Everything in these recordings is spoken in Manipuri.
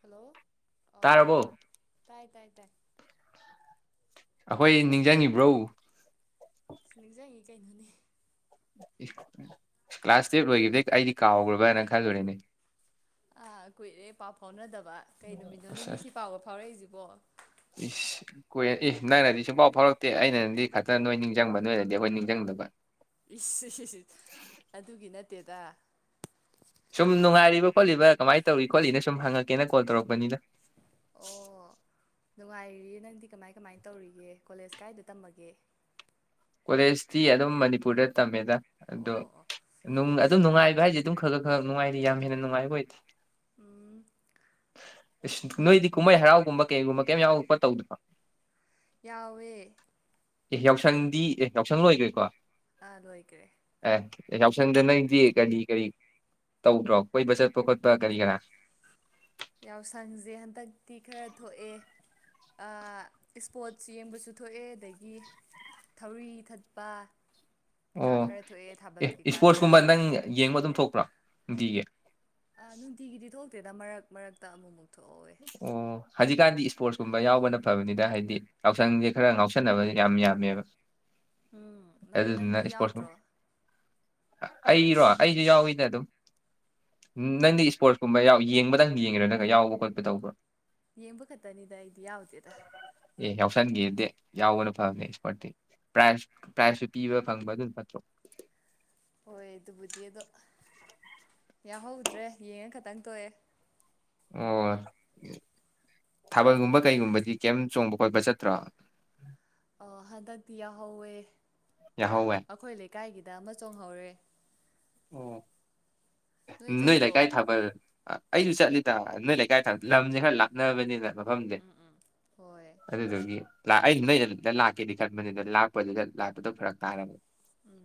ꯍꯜꯂꯣ ꯑ ꯑ ꯑꫭ ꯇꯥꯔꯕꯣ ꯑꯣ ꯇꯥꯏ ꯇꯥꯏ ꯇꯥꯏ ꯑꯈꯣꯏ ꯅꯤꯡꯖꯪꯉꯤꯕ꯭ꯔꯣ ꯁ ꯅꯤꯡꯖꯪꯉꯤ ꯀꯩꯅꯣꯅꯦ ꯀ꯭ꯂꯥꯁ ꯇꯨꯌꯦꯚ ꯂꯣꯏꯒꯤꯕꯗꯩ ꯑꯩꯗꯤ ꯀꯥꯎꯈ꯭ꯔꯕ꯭ꯔꯥꯅ ꯈꯜꯂꯨꯔꯦꯅꯦ ꯑꯥ ꯀꯨꯏꯔꯦ ꯄꯥꯎ ꯐꯥꯎꯅꯗꯕ ꯀꯩ ꯅꯨꯃꯤꯠꯅꯣꯅꯦ ꯑꯁ ꯉꯁꯤ ꯄꯥꯎꯒ ꯐꯥꯎꯔꯛꯏꯁꯤ ꯕꫭ ꯏꯁ ꯀꯨꯏꯔꯦ ꯏꯍ ꯅꯪꯅꯗꯤ ꯁꯨꯡ ꯐꯥꯎ ꯐꯥꯎꯔꯛꯇꯦ ꯑꯩꯅꯗꯤ ꯈꯛꯇ ꯅꯣꯏ ꯅꯤꯡꯖꯪꯕ ꯅꯣꯏꯅꯗꯤ ꯑꯈꯣꯏ ꯅꯤꯡꯖꯪꯗꯕ ꯏꯁ ꯏ ꯍꯤ ꯍꯤ ꯑꯗꯨꯒꯤ ꯅꯠꯇꯦꯗ ꯁꯨꯝ ꯅꯨꯡꯉꯥꯏꯔꯤꯕ ꯈꯣꯠꯂꯤꯕꯥ ꯀꯃꯥꯏꯅ ꯇꯧꯔꯤ ꯈꯣꯠꯂꯤꯅ ꯁꯨꯝ ꯍꯪꯉꯛꯀꯦꯅ ꯀꯣꯜ ꯇꯧꯔꯛꯄꯅꯤꯗ ꯑꯣ ꯅꯨꯡꯉꯥꯏꯔꯤꯌꯦ ꯅꯪꯗꯤ ꯀꯃꯥꯏ ꯀꯃꯥꯏ ꯇꯧꯔꯤꯒꯦ ꯀꯣꯂꯦꯖ ꯀꯥꯏꯗ ꯇꯝꯃꯒꯦ ꯀꯣꯂꯦꯖꯇꯤ ꯑꯗꯨꯝ ꯃꯅꯤꯄꯨꯔꯗ ꯇꯝꯃꯦꯗ ꯑꯣ ꯑꯗꫭ ꯑꯣ ꯑꯣ ꯅꯨꯡ ꯑꯗꯨꯝ ꯅꯨꯡꯉꯥꯏꯕ ꯍꯥꯏꯁꯤꯗꯤ ꯑꯗꯨꯝ ꯈꯒ ꯈꯛ ꯅꯨꯡꯉꯥꯏꯔꯤ ꯌꯥꯝ ꯅꯨꯡꯉꯥꯏꯕ ꯑꯣꯏꯗꯦ ꯎꯝ ꯏꯁ ꯅꯣꯏꯗꯤ ꯀꯨꯝꯍꯩ ꯍꯔꯥꯎꯒꯨꯝꯕ ꯀꯩꯒꯨꯝꯕ ꯀꯩꯝ ꯌꯥꯎ ꯈꫭꯠ ꯇꯧꯗꯔꫭ ꯌꯥꯎꯋꯦ ꯑꯦ ꯌꯥꯎꯁꯪꯗꯤ ꯑꯦ ꯌꯥꯎꯁꯪ ꯂꯣꯏꯒ꯭ꯔꯦꯀꯣ ꯑ ꯂꫭꯏꯒ꯭ꯔꯦ ꯑꯦ ꯌꯥꯎꯁꯪꯗ ꯅꯪꯗꯤ ꯀꯔꯤ ꯀꯔꯤ ꯇꯧꯗ꯭ꯔꯣ ꯀꯣꯏꯕ ꯆꯠꯄ ꯈꯣꯠꯄ ꯀꯔꯤ ꯀꯔꯥ ꯌꯥꯎꯁꯪꯁꯦ ꯍꯟꯗꯛꯇꯤ ꯈꯔ ꯊꯣꯛꯑꯦ ꯑ ꯏꯁꯄꯣꯔꯠꯁ ꯌꯦꯡꯕꯁꯨ ꯊꯣꯛꯑꯦ ꯑꯗꯒꯤ ꯊꯧꯔꯤ ꯊꯠꯄ ꯀꯩꯀꯥ ꯑꯣ ꯈꯔ ꯊꯣꯛꯑꯦ ꯊꯥꯕꯜ ꯑꯦ ꯀꯩꯀꯥ ꯈꯔ ꯏꯁꯄꯣꯔꯠꯁꯀꯨꯝꯕ ꯅꯪ ꯌꯦꯡꯕ ꯑꯗꯨꯝ ꯊꯣꯛꯄ꯭ꯔꯥ ꯅꯨꯡꯇꯤꯒꯤ ꯑꯥ ꯅꯨꯡꯇꯤꯒꯤꯗꯤ ꯊꯣꯛꯇꯦꯗ ꯃꯔꯛ ꯃꯔꯛꯇ ꯑꯃꯨꯛ ꯃꯨꯛ ꯊꯣ ꯑꯣ ꯍꯧꯖꯤꯛꯀꯥꯟꯗꯤ ꯏꯁꯄꯣꯔꯠꯁꯀꯨꯝꯕ ꯌꯥꯎꯕꯅ ꯐꯕꯅꯤꯗ ꯍꯥꯏꯗꯤ ꯌꯥꯎꯁꯪꯁꯦ ꯈꯔ ꯉꯥꯎꯁꯟꯅꯕ ꯌꯥꯝ ꯌꯥꯝꯃꯦꯕ ꯎꯝ ꯅꯪ ꯑꯗꯨꯗꯨꯅ ꯅꯪꯗꯤ ꯏꯁꯄꯣꯔꯠꯁ ꯌꯥꯎꯗ꯭ꯔꯣ ꯑꯩꯔꯣ ꯑꯩꯁꯨ ꯌꯥꯎꯏꯗ ꯑꯗꯨꯝ ꯅꯪꯗꯤ ꯏꯁꯄꯣꯔꯠꯁꯀꯨꯝꯕ ꯌꯦꯡꯕꯗꯪ ꯌꯦꯡꯉꯦꯔꯣ ꯅꯪ ꯌꯥꯎꯕ ꯈꯣꯠꯄ ꯇꯧꯕ꯭ꯔꫭ ꯌꯦꯡꯕ ꯈꯠꯇꯅꯤꯗ ꯑꯩꯗꯤ ꯌꯥꯎꯗꯦꯗ ꯑꯦ ꯌꯥꯎꯁꯟꯒꯦꯗꯦ ꯌꯥꯎꯕꯅ ꯐꯕꯅꯦ ꯏꯁꯄꯣꯔꯠꯇꯤ ꯄ꯭ꯔꯥꯏꯖ ꯄ꯭ꯔꯥꯏꯖꯁꯨ ꯄꯤꯕ ꯐꯪꯕ ꯑꯗꯨꯅ ꯐꯠꯇ꯭ꯔꯣ ꯍꯣꯏ ꯑꯗꯨꯕꯨꯗꯤ ꯑꯗꯣ ꯌꯥꯎꯍꯧꯗ꯭ꯔꯦ ꯌꯦꯡꯉ ꯈꯇꯪ ꯇꫭꯛꯑꯦ ꯑꯣ ꯊꯥꯕꯜꯒꯨꯝꯕ ꯀꯩꯒꯨꯝꯕꯗꯤ ꯀꯩꯝ ꯆꯣꯡꯕ ꯈꯣꯠꯄ ꯆꯠꯇ꯭ꯔꯣ ꯑꫭ ꯍꯟꯗꯛꯇꯤ ꯌꯥꯎꯍꯧꯋꯦ ꯌꯥꯍꯧꯋꯦ ꯑꯈꯣꯏ ꯂꯩꯀꯥꯏꯒꯤ ꯗ ꯑꯃ ꯆꯣꯡꯍꯧꯔꯦ ꯑꯣ ꯅꯣꯏ ꯂꯩꯀꯥꯏ ꯊꯥꯕꯜ ꯑꯩꯁꯨ ꯆꯠꯂꯤ ꯗꯥ ꯅꯣꯏ ꯂꯩꯀꯥꯏ [unintelligible] ꯂꯝꯖꯦ ꯈꯔꯥ ꯂꯥꯞ ꯅꯕꯅꯤꯅ ꯃꯐꯝꯖꯦ ꯍꯣꯏ ꯑꯗꯨꯗꯨꯒꯤ ꯂꯥꯛ ꯑꯩꯩꯅ ꯅꯣꯏ ꯑꯗꯨꯝꯗ ꯂꯥꯛꯀꯦꯗꯤ ꯈꯟꯕꯅꯤꯅ ꯂꯥꯛꯄꯗꯨꯗ ꯂꯥꯛꯄꯗꯣ ꯐꯔꯛ ꯇꯥꯔꯕ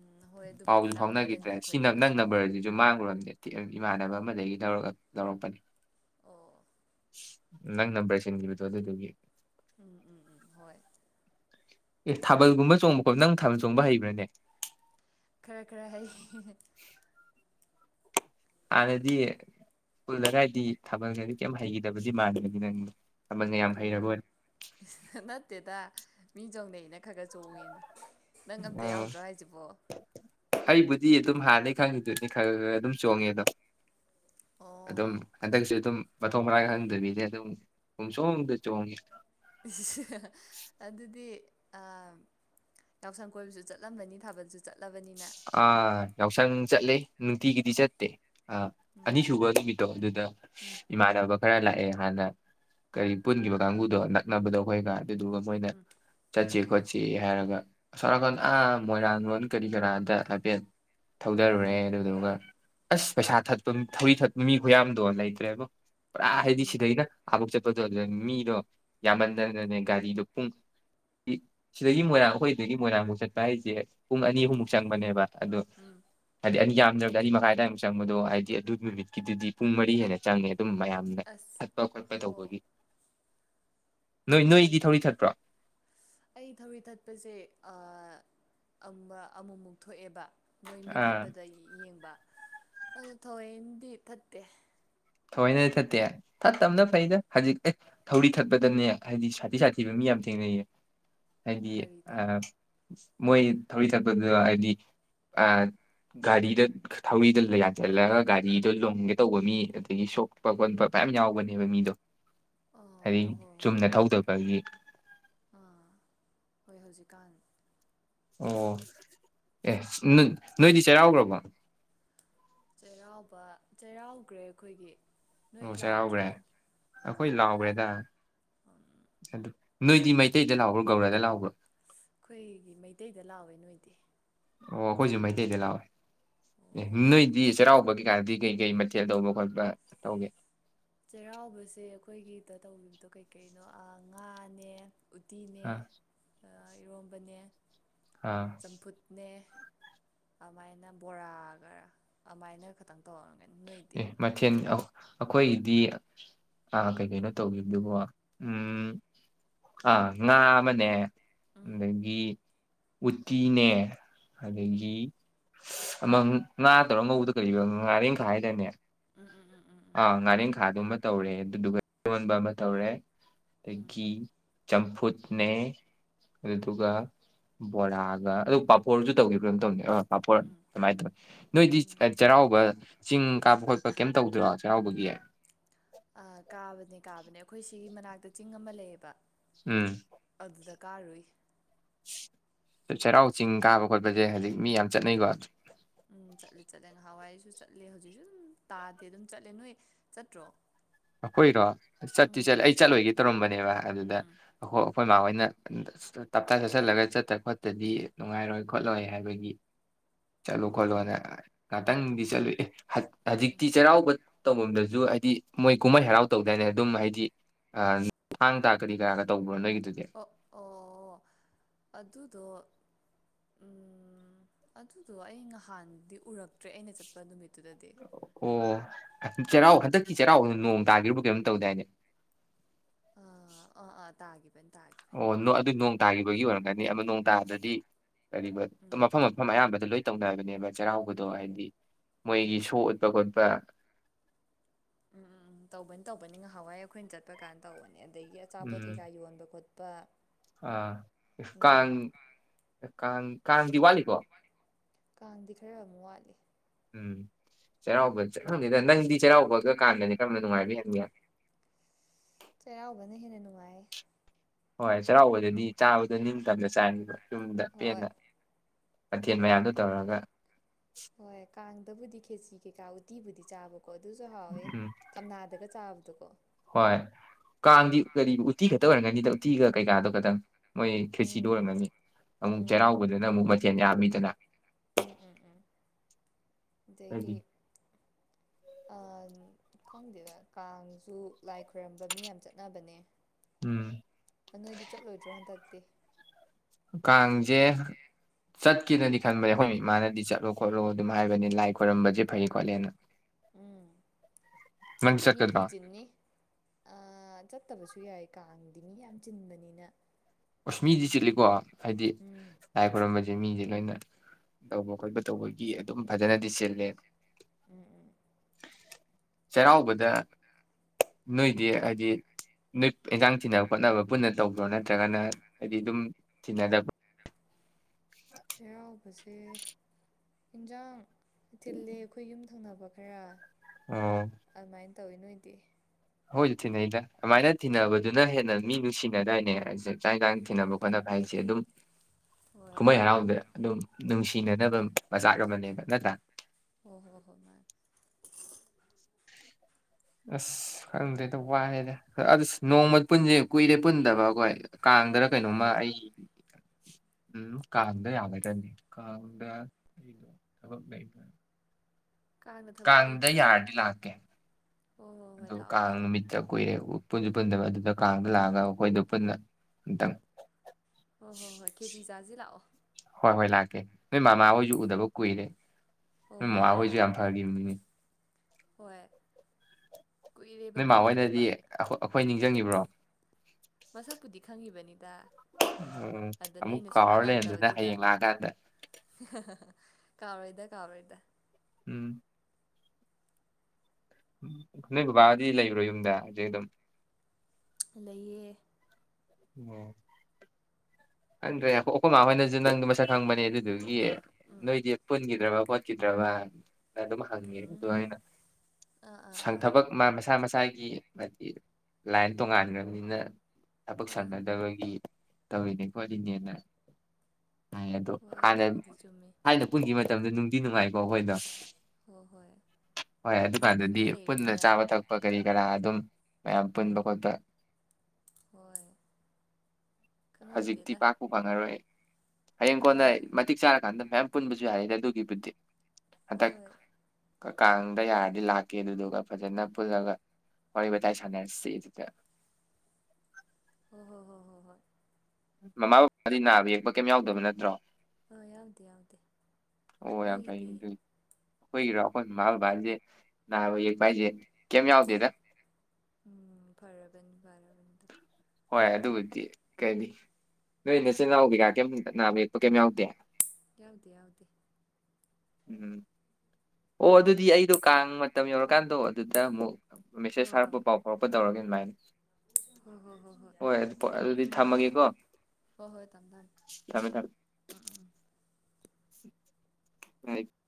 ꯎꯝ ꯍꯣꯏ ꯑꯗꯨꯕꯨꯗꯤ ꯄꯥꯎꯖꯨ ꯂꯥꯞꯅꯕꯅꯤꯅ ꯐꯥꯎꯅꯥꯒꯤꯗꯔ꯭ꯦ ꯁꯤꯅ ꯑꯩꯈꯣꯏꯒ ꯅꯪ ꯅ ꯕꯔꯁꯤꯁꯨ ꯃꯥꯡꯎꯔꯕꯅꯤ ꯏꯃꯥꯟꯅꯕ ꯑꯃꯗꯒꯤ ꯂꯧꯔ ꯂꯧꯔꯛꯄꯅꯤ ꯑꯣ ꯅꯪ ꯅꯝꯕ꯭ꯔ ꯁꯤꯟꯒꯤꯕꯗꯣ ꯑꯗꯨꯗꯨꯒꯤ ꯎꯝ ꯎꯝ ꯎꯝ ꯍꯣꯏ ꯑꯦ ꯊꯥꯕꯜꯒꯨꯝꯕ ꯆꯣꯡꯕ ꯈꯣꯠ ꯅꯪ ꯊꯥꯕꯜ ꯆꯣꯡꯕ ꯍꯩꯕ꯭ꯔꯅꯦ ꯈꯔ ꯈꯔ ꯍꯩ ꯍꯥꯟꯅꯗꯤ ꯈꯨꯜ ꯂꯩꯀꯥꯏꯒꯤ ꯊꯥꯕꯜ ꯀꯩꯝ ꯍꯩꯈꯤꯗꯕꯗꯤ ꯃꯥꯟꯂꯦ ꯅꯪꯖꯦ ꯎꯝ ꯅꯠꯇꯦꯗ ꯃꯤ ꯆꯣꯡꯅꯩꯌꯦꯅ ꯈꯒ ꯈꯒ ꯆꯣꯡꯉꯦꯅꯤ ꯅꯪ ꯑꯝꯇ ꯑꯣ ꯌꯥꯎꯗ꯭ꯔꯣ ꯍꯥꯏꯁꯤ ꯑꯩꯕꯨꯗꯤ ꯑꯗꯨꯝ ꯍꯥꯟꯅꯩ ꯈꯪꯉꯤꯗꯨꯅꯤ ꯈꯔ ꯈꯔ ꯑꯗꯨꯝ ꯆꯣꯡꯉꯦ ꯑꯗꯣ ꯑꯗꯨ ꯑꯗꯨꯝ ꯑꯣ ꯍꯟꯗꯥꯛꯁꯨ ꯑꯗꯨꯝ ꯃꯊꯣꯛ ꯃꯔꯥꯡ ꯈꯡꯗꯕꯤꯗ ꯑꯗꯨꯝ ꯄꯨꯡꯆꯣꯡꯗ ꯆꯣꯡꯏ ꯑꯗꯨꯗꯤ ꯌꯥꯎꯁꯪ ꯀꯣꯏꯕꯁꯨ ꯆꯠꯂꯝꯃꯅꯤ ꯊꯥꯕꯜ ꯑꯥ ꯌꯥꯎꯁꯪ ꯆꯠꯂꯦ ꯅꯨꯡꯇꯤꯒꯤꯗꯤ ꯆꯠꯇꯦ ꯑ ꯑꯅꯤꯁꯨꯕ ꯅꯨꯃꯤꯠꯇꯣ ꯑꯗꯨꯗ ꯏꯃꯥꯟꯅꯕ ꯈꯔ ꯂꯥꯛꯑꯦ ꯍꯥꯟꯅ ꯀꯔꯤ ꯄꯨꯟꯒꯤꯕꯥ ꯀꯥꯡꯕꯨꯗꯣ ꯂꯛꯅꯕꯗꯣ ꯑꯩꯈꯣꯏꯅ ꯑꯗꯨꯗꯨꯒ ꯃꯣꯏꯅ ꯆꯠꯁꯦ ꯈꯣꯠꯁꯦ ꯁꯤ ꯍꯥꯏꯔꯒ ꯁꯔꯀꯥꯟꯗ ꯑꯥ ꯃꯣꯏꯔꯥꯡ ꯂꯣꯝ ꯀꯔꯤ ꯀꯔꯥꯗ ꯍꯥꯏꯐꯦꯠ ꯊꯧꯗꯔꯨꯔꯦ ꯑꯥ, ꯑꯗꯨꯗꯨꯒ ꯑꯁ ꯄꯩꯁꯥ ꯊꯠꯄ ꯊꯧꯔꯤ ꯊꯠꯄ ꯃꯤ ꯈꯨꯌꯥꯝꯗꯣ ꯂꯩꯇ꯭ꯔꯦꯕꯣ ꯄꯨꯔꯥ ꯍꯥꯏꯗꯤ ꯎꯝ ꯁꯤꯗꯩꯅ ꯑꯕꫭꯛꯆꯠ ꯆꯠꯄꯗꯣ ꯑꯗꯨ ꯃꯤꯗꯣ ꯌꯥꯝꯃꯟꯗꯅꯅꯦ ꯒꯥꯔꯤꯗꯣ ꯄꯨꯡ ꯁꯤꯗꯒꯤ ꯃꯣꯏꯔꯥꯡ ꯑꯩꯈꯣꯏꯗꯒꯤ ꯃꯣꯏꯔꯥꯡꯕꯨꯛ ꯆꯠꯄ ꯍꯥꯏꯁꯦ ꯄꯨꯡ ꯑꯅꯤ ꯑꯍꯨꯝꯃꯨꯛ ꯎꯝ ꯆꯪꯕꯅꯦꯕ ꯑꯗꯣ ꯎꯝ ꯍꯥꯏꯗꯤ ꯑꯅꯤ ꯌꯥꯝ ꯍꯟꯗ꯭ꯔꯕꯗ ꯑꯅꯤ ꯃꯈꯥꯏꯗꯏꯃꯨꯛ ꯆꯪꯕꯗꯣ ꯍꯥꯏꯗꯤ ꯑꯗꯨ ꯅꯨꯃꯤꯠꯀꯤꯗꯨꯗꯤ ꯄꯨꯡ ꯃꯔꯤ ꯍꯦꯟꯅ ꯆꯪꯉꯦꯕ ꯑꯗꯨꯝ ꯃꯌꯥꯝꯅ ꯑꯁ ꯊꯛꯄ ꯈꯣꯠꯄ ꯑꯣ ꯇꯧꯕꯒꯤ ꯅꯣꯏ ꯅꯣꯏꯗꯤ ꯍꯣꯏꯅꯦ ꯊꯧꯔꯤ ꯊꯠꯄ꯭ꯔꯣ ꯑꯩ ꯊꯧꯔꯤ ꯊꯠꯄꯁꯦ ꯑꯥ ꯑꯃ ꯑꯃꯨꯃꯨꯛ ꯊꯣꯛꯑꯦꯕ ꯃꯣꯏ ꯃꯤ ꯑꯥ ꯊꯠꯄꯗ ꯌꯦꯡꯕ ꯑꯗꯨ ꯊꯑꯣꯏꯗꯤ ꯊꯠꯇꯦ꯫ ꯊꯑꯣꯏꯅꯗꯤ ꯊꯠꯇꯦ꯫ ꯊꯠꯇꯕꯅ ꯎꯝ ꯐꯩꯗ ꯍꯧꯖꯤꯛ ꯑꯦ ꯊꯧꯔꯤ ꯊꯠꯄꯗꯅꯦ ꯍꯥꯏꯗꯤ ꯁꯥꯊꯤ ꯁꯥꯊꯤꯕ ꯃꯤ ꯌꯥꯝ ꯊꯦꯡꯅꯩꯌꯦ꯫ ꯍꯥꯏꯗꯤ ꯀꯔꯤ ꯇꯧ ꯑꯥ ꯃꯣꯏ ꯊꯧꯔꯤ ꯊꯛꯄꯗꯨꯗ ꯍꯥꯏꯗꯤ ꯑꯥ ꯒꯥꯔꯤꯗ ꯊꯧꯔꯤꯗ ꯌꯥꯟꯁꯤꯜꯂꯒ ꯒꯥꯔꯤꯗꯣ ꯂꯣꯡꯒꯦ ꯇꯧꯕ ꯃꯤ ꯑꯗꯒꯤ ꯁꯣꯛꯄ ꯄꯟꯕ ꯃꯌꯥꯝ ꯌꯥꯎꯕꯅꯦꯕ ꯃꯤꯗꯣ꯫ ꯑꯥ ꯍꯥꯏꯗꯤꯡ ꯍꯣꯏ ꯍꯣꯏ ꯍꯣꯏ ꯆꯨꯝꯅ ꯊꯧꯗꯕꯒꯤ꯫ ꯑꯥ ꯍꯣꯏ ꯍꯧꯖꯤꯛꯀꯥꯟ ꯑꯣ ꯑꯦ ꯅꯣꯏꯗꯤ ꯆꯩꯔꯥꯎꯒ꯭ꯔꯕꯣ꯫ ꯆꯩꯔꯥꯎꯕ ꯆꯩꯔꯥꯎꯒ꯭ꯔꯦ ꯑꯩꯈꯣꯏꯒꯤ꯫ ꯅꯣꯏ ꯑꯣ ꯆꯩꯔꯥꯎꯈ꯭ꯔꯦ ꯂꯥꯎꯗ꯭ꯔꯤꯕꯣ ꯑꯩꯈꯣꯏ ꯑꯥ ꯂꯥꯎꯈꯒ꯭ꯔꯦꯗ ꯑꯗꯨ ꯅꯣꯏꯗꯤ ꯃꯩꯇꯩꯗ ꯂꯥꯎꯕ꯭ꯔ ꯒꯧꯔꯥꯗ ꯂꯥꯎꯕ꯭ꯔ꯫ ꯑꯩꯈꯣꯏꯒꯤ ꯃꯩꯇꯩꯗ ꯂꯥꯛꯑꯦ ꯅꯣꯏꯗꯤ꯫ ꯑꯣ ꯑꯩꯈꯣꯏꯁꯨ ꯃꯩꯇꯩꯗ ꯂꯥꯛꯋꯦ ꯑꯦ ꯑꯣ ꯃꯥ ꯅꯣꯏꯗꯤ ꯆꯩꯔꯥꯎꯕ ꯀꯩ ꯀꯥꯗꯤ ꯀꯩ ꯀꯩ ꯃꯊꯦꯜ ꯇꯧꯕ ꯈꯣꯠꯄ ꯇꯧꯒꯦ꯫ ꯆꯩꯔꯥꯎꯕꯁꯦ ꯑꯩꯈꯣꯏꯒꯤꯗ ꯇꯧꯈꯤꯕꯗꯣ ꯀꯩꯀꯩꯅꯣ ꯑꯥ ꯉꯥꯅꯦ ꯎꯇꯤꯅꯦ ꯑꯥ ꯑꯥ ꯏꯔꯣꯝꯕꯅꯦ ꯑꯥ ꯆꯝꯐꯨꯠꯅꯦ ꯑꯃꯥꯏꯅ ꯕꯣꯔꯥꯒꯔ ꯑꯃꯥꯏꯅ ꯈꯛꯇꯪ ꯇꯧꯔ ꯎꯝ ꯃꯊꯦꯜ ꯑꯧ ꯑꯩꯈꯣꯏꯒꯤꯗꯤ ꯑ ꯀꯩ ꯀꯩꯅꯣ ꯇꯧꯈꯤꯕꯗꯨꯕꯣ ꯎꯝ ꯑꯥ ꯉꯥ ꯑꯃꯅꯦ ꯎꯝ ꯑꯗꯒꯤ ꯎꯇꯤꯅꯦ ꯎꯝ ꯑꯗꯒꯤ ꯑꯃ ꯉꯥ ꯇꯧꯔ ꯉꯧꯕꯗꯣ ꯀꯔꯤꯕ ꯉꯥꯔꯦꯟꯈꯥ [unintelligible] ꯎꯝ ꯎꯝ ꯎꯝ ꯎꯝ ꯑꯥ ꯉꯥꯔꯦꯟꯈꯥꯗꯨ ꯑꯃ ꯇꯧꯔꯦ ꯑꯗꯨꯗꯨꯒ ꯏꯔꯣꯟꯕ ꯑꯃ ꯇꯧꯔꯦ ꯑꯗꯒꯤ ꯆꯝꯐꯨꯠꯅꯦ ꯑꯗꯨꯗꯨꯒ ꯕꯣꯔꯥꯒ ꯑꯗꯨ ꯄꯥꯐꯣꯔꯁꯨ ꯇꯧꯒꯦ ꯀꯩꯅꯣꯝ ꯇꯧꯅꯤ ꯑ ꯄꯥꯄꯣꯔ ꯑꯗꯨꯃꯥꯏꯅ ꯇꯧꯋ ꯅꯣꯏꯗꯤ ꯆꯩꯔꯥꯎꯕ ꯆꯤꯡ ꯀꯥꯕ ꯈꯣꯠꯄ [unintelligible] ꯀꯩꯌꯝ ꯇꯧꯗ꯭ꯔꯣ ꯌꯥꯎꯕꯒꯤ ꯑ ꯀꯥꯕꯅꯦ ꯀꯥꯕꯅꯦ ꯑꯩꯈꯣꯏ ꯁꯤꯒꯤ ꯃꯅꯥꯛꯇ ꯆꯤꯡ ꯑꯃ ꯂꯩꯌꯦꯕ ꯎꯝ ꯑꯗꯨꯗ ꯀꯥꯔꯨꯏ ꯆꯩꯔꯥꯎ ꯆꯤꯡ ꯀꯥꯕ ꯈꯣꯠꯄꯁꯦ ꯍꯧꯖꯤꯛ ꯃꯤ ꯌꯥꯝ ꯆꯠꯅꯩꯀꯣ ꯎꯝ ꯎꯝ ꯆꯠꯂꯦ ꯆꯠꯂꯦ [unintelligible] ꯋꯥꯏ ꯆꯠꯂꯦ ꯍꯧꯖꯤꯛꯁꯨ ꯑꯗꯨꯝ ꯇꯥꯗꯦ ꯑꯗꯨꯝ ꯆꯠꯂꯦ ꯅꯣꯏ ꯆꯠꯇ꯭ꯔꯣ ꯑꯩꯈꯣꯏꯔꯣ ꯆꯠꯇꯤ ꯎꯝ ꯆꯠꯂꯤ ꯑꯩ ꯆꯠꯂꯣꯏꯒꯦ ꯇꯧꯔꯝꯕꯅꯦꯕ ꯑꯗꯨꯗ ꯎꯝ ꯑꯩꯈꯣꯏꯃꯥ ꯍꯣꯏꯅ ꯇꯞꯇꯥ ꯆꯥꯁꯤꯜꯂꯒ ꯆꯠꯇ ꯈꯣꯠꯇꯗꯤ ꯅꯨꯡꯉꯥꯏꯔꯣꯏ ꯈꯣꯠꯂꯣꯏ ꯍꯥꯏꯕꯒꯤ ꯆꯠꯂꯣ ꯈꯣꯠꯂꯣꯅ ꯉꯥꯛꯇꯪꯗꯤ ꯆꯠꯂꯨꯏ ꯍꯧꯖꯤꯛꯇꯤ ꯆꯩꯔꯥꯎꯕ ꯇꯧꯕꯝꯗꯁꯨ ꯍꯥꯏꯗꯤ ꯃꯣꯏ ꯀꯨꯝꯍꯩ ꯍꯔꯥꯎ ꯇꯧꯗꯥꯏꯅꯦ ꯑꯗꯨꯝ ꯍꯥꯏꯗꯤ ꯑ ꯊꯥꯡ ꯇꯥ ꯀꯔꯤ ꯀꯔꯥꯒ ꯇꯧꯕ꯭ꯔꯣ ꯅꯣꯏꯒꯤꯗꯣ ꯑꯣ ꯑꯣ ꯑꯗꯨꯗꯣ ꯎꯝ ꯑꯗꯨꯗꯣ ꯑꯩ ꯅꯍꯥꯟꯗꯤ ꯎꯔꯛ ꯇ꯭ꯔꯦ ꯑꯩꯅ ꯆꯠꯄ ꯅꯨꯃꯤꯠꯇꯨꯗꯗꯤ ꯑꯣ ꯆꯩꯔꯥꯎ ꯍꯟꯗꯛꯀꯤ ꯆꯩꯔꯥꯎꯕꯅ ꯅꯣꯡ ꯇꯥꯈꯤꯕ ꯀꯩꯅꯣꯝ ꯇꯧꯗꯥꯏꯅꯦ ꯑ ꯑ ꯑ ꯇꯥꯒꯤ ꯑꯣ ꯑꯗꯨ ꯅꯣꯡ ꯇꯥꯒꯤꯕꯒꯤ ꯑꯣꯏꯔꯝꯒꯅꯤ ꯑꯗꯣ ꯅꯣꯡ ꯇꯥꯗ꯭ꯔꯗꯤ ꯀꯔꯤꯕ [unintelligible] ꯃꯐꯝ ꯃꯐꯝ ꯑꯌꯥꯝꯕꯗ ꯂꯣꯏ ꯇꯧꯅꯕꯅꯦꯕ ꯆꯩꯔꯥꯎꯕꯗꯣ ꯍꯥꯏꯗꯤ ꯃꯣꯏꯒꯤ ꯁꯣ ꯎꯠꯄ ꯈꯣꯠꯄ ꯎꯝ ꯎꯝ ꯎꯝ ꯇꯧꯕꯅꯤ ꯇꯧꯕꯅꯤ ꯉꯍꯋꯥꯏ ꯑꯩꯈꯣꯏꯅ ꯆꯠꯄ ꯀꯥꯟꯗ ꯇꯧꯕꯅꯤ ꯑꯗꯒꯤ ꯑꯆꯥꯄꯣꯠ ꯎꯝ ꯀꯩꯀꯥ ꯌꯣꯟꯕꯈꯣꯠ ꯄ ꯑꯥ [unintelligible] ꯀꯥꯡ ꯀꯥꯡꯗꯤꯋꯥꯠꯂꯤ ꯀꯣ ꯀꯥꯡꯗꯤ ꯈꯔ ꯑꯃꯨꯛ ꯋꯥꯠꯂꯤ ꯎꯝ ꯆꯩꯔꯥꯎꯕ ꯅꯪꯗꯤ ꯆꯩꯔꯥꯎꯕꯒ ꯀꯥꯡꯒ ꯀꯔꯝꯅ ꯅꯨꯡꯉꯥꯏꯕ ꯍꯟꯒꯦ ꯆꯩꯔꯥꯎꯕꯅ ꯍꯦꯟꯅ ꯅꯨꯡꯉꯥꯏ ꯍꯣꯏ ꯆꯩꯔꯥꯎꯕꯗꯗꯤ ꯆꯥꯕꯗꯣ ꯅꯤꯡꯇꯝꯅ ꯆꯥꯅꯤꯗ ꯌꯨꯝꯗ ꯍꯣꯏ ꯄꯦꯟꯅ ꯃꯊꯦꯜ ꯃꯌꯥꯝꯗꯣ ꯇꯧꯔꯒ ꯀꯩ ꯀꯥ ꯎꯇꯥꯕꯨꯗꯤ ꯆꯥꯕ ꯀꯣ ꯑꯗꯨꯁꯨ ꯍꯥꯎꯋꯦ ꯎꯝ ꯊꯝꯅꯥꯗꯒ ꯆꯥ ꯇꯀꯣ [inaudible] ꯍꯣꯏ ꯀꯥꯡꯗꯤ ꯀꯔꯤ ꯎꯇꯤ ꯈꯛꯇ ꯑꯣꯏꯔꯝꯒꯅꯤꯗ ꯎꯇꯤꯒ ꯀꯩꯀꯥꯗꯣ ꯈꯇꯪ ꯃꯣꯏ ꯈꯦꯁꯤꯗꯣ ꯎꯝ ꯑꯣꯔꯝꯃꯅꯤ ꯑꯃꯨꯛ ꯎꯝ ꯆꯩꯔꯥꯎꯕꯗꯅ ꯑꯃꯨꯛ ꯃꯊꯦꯜ ꯌꯥꯝꯃꯤ ꯅ [unintelligible] ꯎꯝ ꯎꯝ ꯎꯝ ꯗꯒꯤ ꯎꯝ ꯈꯪꯗꯦꯗ ꯀꯥꯡꯁꯨ ꯂꯥꯏ ꯈꯣꯏꯔꯝꯕ ꯃꯤ ꯌꯥꯝ ꯆꯠꯅꯕꯅꯦ ꯅꯣꯏꯗꯤ ꯆꯠꯂꯣꯏꯗ꯭ꯔꯣ ꯍꯟꯗꯛꯇꯤ ꯀꯤꯅꯗꯤ ꯈꯟꯕꯅꯦ ꯑꯩꯈꯣꯏ ꯏꯃꯥꯅꯗꯤ ꯆꯠꯂꯣ ꯈꯣꯠꯂꯣ ꯑꯗꯨꯝ ꯍꯥꯏꯕꯅꯤ ꯂꯥꯏ ꯈꯣꯏꯔꯝꯕꯁꯦ ꯐꯩ ꯈꯣꯠꯂꯦꯅ ꯎꯝ ꯅꯪꯗꯤ ꯃꯤꯗꯤ ꯆꯠꯀꯗ꯭ꯔꯣ ꯆꯤꯟꯅꯤ ꯑ ꯆꯠꯇꯕ ꯁꯨ ꯌꯥꯏ ꯀꯥꯡꯗꯤ ꯃꯤ ꯌꯥꯝ ꯆꯤꯟꯕꯅꯤꯅ ꯑꯣꯁ ꯃꯤꯗꯤ ꯈꯪꯗꯦ ꯆꯤꯠꯂꯤꯀꯣ ꯍꯥꯏꯗꯤ ꯎꯝ ꯂꯥꯏ ꯈꯣꯏꯔꯝꯕꯁꯦ ꯃꯤꯁꯦ ꯂꯣꯏꯅ ꯇꯧꯕ ꯈꯣꯠꯄ ꯇꯧꯕꯒꯤ ꯑꯗꯨꯝ ꯐꯖꯅꯗꯤ ꯆꯤꯜꯂꯦ ꯎꯝ ꯎꯝ ꯆꯩꯔꯥꯎꯕꯗ ꯅꯣꯏꯗꯤ ꯍꯥꯏꯗꯤ ꯅꯣꯏ ꯑꯦꯟꯖꯥꯡ ꯊꯤꯅꯕ ꯈꯣꯠꯅꯕ ꯄꯨꯟꯅ ꯇꯧꯕ꯭ꯔꯣ ꯅꯠꯇ꯭ꯔꯒꯅ ꯍꯥꯏꯗꯤ ꯑꯗꯨꯝ ꯊꯤꯟꯅꯗꯕ ꯁꯦ ꯏꯟꯖꯥꯡ ꯊꯤꯜꯂꯦ ꯑꯩꯈꯣꯏ ꯌꯨꯝ ꯊꯪꯅꯕ ꯈꯔ ꯑ ꯇꯧꯋꯦ ꯅꯣꯏꯗꯤ ꯍꯣꯏꯁꯨ ꯊꯤꯟꯅꯩꯗ ꯑꯗꯨꯃꯥꯏꯅ ꯊꯤꯅꯕꯗꯨꯅ ꯍꯦꯟꯅ ꯃꯤ ꯅꯨꯡꯁꯤꯅꯗꯥꯏꯅꯦ ꯆꯥꯛ ꯆꯥꯏꯀꯟꯗ ꯊꯤꯅꯕ ꯈꯣꯠꯅꯕ ꯍꯥꯏꯁꯦ ꯑꯗꯨꯝ ꯍꯣꯏ ꯀꯨꯃꯩ ꯍꯔꯥꯎꯗꯦ ꯑꯗꯨꯝ ꯅꯨꯡꯁꯤꯅꯅꯕ ꯃꯆꯥꯛ ꯑꯃꯅꯦꯕ ꯅꯠꯇ꯭ꯔꯥ ꯑꯣ ꯍꯣ ꯍꯣ ꯃꯥ ꯑꯁ ꯈꯪꯗ꯭ꯔꯦꯗ ꯋꯥꯏꯑꯦꯗ ꯑꯗꯨ ꯅꯣꯡꯃ ꯄꯨꯟꯁꯦ ꯀꯨꯏꯔꯦ ꯄꯨꯟꯗꯕ ꯑꯈꯣꯏ ꯀꯥꯡꯗꯅ ꯑꯣ ꯍꯣ ꯀꯩꯅꯣꯝꯃ ꯍꯣꯏ ꯑꯩ ꯎꯝ ꯀꯥꯡꯗ ꯌꯥꯒꯗꯔ꯭ꯅꯦ ꯀꯥꯡꯗ [unintelligible] ꯊꯕꯛ [inaudible] ꯊꯕꯛ ꯀꯥꯡꯗ ꯂꯩꯕ꯭ꯔꯅꯦ ꯌꯥꯔꯗꯤ ꯂꯥꯛꯀꯦ ꯍꯣꯏ ꯍꯣꯏ ꯍꯣꯏ ꯑꯗꯨ ꯂꯥꯛꯑꯣ ꯀꯥꯡ ꯂꯥꯛꯑꯣ ꯅꯨꯃꯤꯠꯇ ꯀꯨꯏꯔꯦ ꯄꯨꯟꯁꯨ ꯄꯨꯟꯗꯕ ꯑꯗꯨꯗ ꯀꯥꯡꯗ ꯂꯥꯛꯑꯒ ꯑꯩꯈꯣꯏꯗꯣ ꯄꯨꯟꯅ ꯑꯨꯇꯪ ꯍꯣꯏ ꯍꯣ ꯍꯣꯏ ꯈꯦꯆꯤ ꯆꯁꯤ ꯂꯥꯛꯑꯣ ꯍꯣꯏ ꯍꯣꯏ ꯂꯥꯛꯀꯦ ꯅꯣꯏ ꯃꯃꯥꯍꯣꯏꯁꯨ ꯎꯗꯕ ꯀꯨꯏꯔꯦ ꯎꯝ ꯍꯣꯏ ꯃꯃꯥ ꯍꯣꯏ ꯍꯣꯏꯁꯨ ꯍꯣꯏ ꯌꯥꯝ ꯐꯒꯤꯝꯅꯤꯅꯦ ꯍꯣꯏ ꯀꯨꯏꯔꯦꯕ ꯅꯣꯏ ꯃꯥꯃꯣꯏꯅꯗꯤ ꯄꯨꯟꯈꯤꯗꯕ ꯑ ꯈꯣꯏ ꯅꯤꯡꯖꯡꯉꯤꯕ꯭ꯔꯣ ꯃꯁꯛꯄꯨꯗꯤ ꯈꯪꯉꯤꯕꯅꯤꯗ ꯎꯝ ꯑꯗ ꯑꯃꯨꯛ ꯅꯣꯏꯅ ꯁꯨꯛꯂꯥꯛ ꯀꯥꯎꯔ ꯂꯩꯔꯝꯗꯅ ꯂꯥꯛꯇꯕꯗꯨꯗ ꯍꯌꯦꯡ ꯂꯥꯛꯑꯀꯥꯟꯗ ꯀꯥꯎꯔꯣꯏꯗ ꯀꯥꯎꯔꯣꯏꯗ ꯎꯝ ꯅꯣꯏ ꯕꯕꯥꯒꯗꯤ ꯂꯩꯕ꯭ꯔꯣ ꯌꯨꯝꯗ ꯍꯧꯖꯤꯛ ꯑꯗꯨꯝ ꯂꯩꯌꯦ [unintelligible] ꯈꯪꯗ꯭ꯔꯦ ꯑꯩꯈꯣꯏ ꯃꯥ ꯍꯣꯏꯅꯁꯨ ꯅꯪꯗꯣ ꯃꯁꯛ ꯈꯪꯕꯅꯦ ꯑꯗꯨꯗꯨꯒꯤ ꯅꯣꯏꯗꯤ ꯄꯨꯟꯈꯤꯗ꯭ꯔꯕ ꯈꯣꯠꯈꯤꯗ꯭ꯔꯕ ꯑꯗꯨꯝ ꯍꯪꯉꯉꯦ ꯗꯣ ꯑꯩꯅ ꯑꯥ ꯑꯥ ꯁꯪ ꯑꯥ ꯊꯕꯛ ꯃꯥ ꯃꯁꯥ ꯃꯁꯥ ꯁꯥꯒꯤ ꯍꯥꯏꯗꯤ ꯂꯥꯏꯟ ꯇꯣꯉꯥꯟꯈ꯭ꯔꯕꯅꯤꯅ ꯊꯕꯛ ꯑꯥ ꯁꯪꯅꯗꯕꯒꯤ ꯇꯧꯋꯤꯅꯦ ꯐꯗꯤꯅꯦꯅ ꯍꯥꯏ ꯑꯗꯣ ꯍꯣꯏ ꯍꯥꯟꯅ ꯑꯗꯨꯕꯨꯗꯤ ꯆꯨꯝꯃꯤ ꯊꯥꯏꯅ ꯄꯨꯟ ꯃꯇꯝꯗꯣ ꯅꯨꯡꯗꯤ ꯅꯨꯡꯉꯥꯏꯀꯣ ꯑꯈꯣꯏꯗꯣ ꯍꯣꯏ ꯍꯣꯏ ꯍꯣꯏ ꯑꯗꯨꯀꯥꯟꯗꯗꯤ ꯕꯣꯔꯗꯤꯡꯗ ꯄꯨꯟꯅ ꯂꯩꯕꯅꯤꯅ ꯆꯥꯕ ꯊꯛꯄ ꯀꯔꯤ ꯀꯔꯥ ꯑꯗꯨꯝ ꯃꯌꯥꯝ ꯄꯨꯟꯕ ꯈꯣꯠꯄ ꯍꯣꯏ ꯈꯪꯍꯧꯗꯦ ꯇꯤ ꯄꯥꯛꯄꯨ ꯐꯪꯉꯔꯣꯏ ꯍꯌꯦꯡ ꯀꯣꯟꯅ ꯑꯥ ꯃꯇꯤꯛ ꯆꯥꯔꯀꯥꯟꯗ ꯃꯌꯥꯝ ꯄꯨꯟꯕꯁꯨ ꯌꯥꯔꯤꯗ ꯑꯗꯨ [unintelligible] ꯍꯗꯛ ꯍꯣꯏ ꯀꯥꯡꯗ ꯌꯥꯔꯗꯤ ꯂꯥꯛꯀꯦ ꯑꯗꯨꯗꯨꯒ ꯐꯖꯅ ꯄꯨꯜꯂꯒ ꯋꯥꯔꯤ ꯋꯥꯇꯥꯏ ꯁꯥꯟꯅꯔꯁꯤ ꯑꯗꯨꯒ ꯍꯣ ꯍꯣ ꯍꯣꯏ ꯍꯣꯏ ꯍꯣꯏ ꯃꯃꯥ ꯕꯕꯥꯗꯤ ꯅꯥꯕ ꯌꯦꯛꯄ ꯀꯦꯝ ꯌꯥꯎꯗꯕ ꯅꯠꯇ꯭ꯔꯣ ꯑꯥ ꯌꯥꯎꯗꯦ ꯌꯥꯎꯗꯦ ꯅꯣꯏꯒꯤꯗꯤ ꯈꯣꯏꯒꯤꯔꯣ ꯑꯩꯈꯣꯏ ꯃꯥꯃꯥ ꯕꯥꯕꯥꯁꯦ ꯅꯥꯕ ꯌꯦꯛꯄ ꯍꯥꯏꯖꯦ ꯀꯦꯝ ꯌꯥꯎꯗꯦꯗ ꯐꯔꯕꯅꯤ ꯐꯔꯕꯅꯤ ꯍꯣꯏ ꯑꯗꯨꯕꯨꯗꯤ ꯀꯩꯅꯤ ꯅꯣꯏ ꯅꯆꯤꯜꯅꯥꯎ ꯀꯩꯀꯥ ꯀꯩꯝ ꯅꯥꯕ ꯌꯦꯛꯄ ꯀꯩꯝ ꯌꯥꯎꯗꯦ ꯌꯥꯎꯗꯦ ꯌꯥꯎꯗꯦ ꯎꯝ ꯑꯣ ꯑꯗꯨꯗꯤ ꯑꯩꯗꯣ ꯀꯥꯡ ꯃꯇꯝ ꯌꯧꯔꯀꯥꯟꯗꯣ ꯑꯃꯨꯛ ꯃꯦꯁꯦꯁ ꯍꯣꯏ ꯊꯥꯔꯛꯄ ꯍꯣꯏ ꯄꯥꯎ ꯐꯥꯎꯔꯛꯄ ꯇꯧꯔꯒꯦ ꯑꯗꯨꯃꯥꯏꯅ ꯍꯣꯏ ꯑꯗꯨ ꯄꯣꯠ ꯑꯗꯨꯗꯤ ꯎꯝ ꯊꯝꯃꯒꯦꯀꯣ ꯍꯣꯏ ꯍꯣꯏ ꯊꯝꯃꯦ ꯊꯝꯃꯦ ꯊꯝꯃꯦ ꯊꯝꯃꯦ ꯎꯝ ꯎꯝ ꯎꯝ [unintelligible]